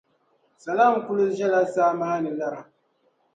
Salam kuli ʒɛla saa maa ni lara.